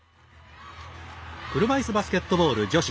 車いすバスケットボール女子。